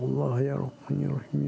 allah duk juvenile